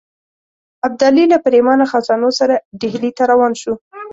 ابدالي له پرېمانه خزانو سره ډهلي ته روان شو.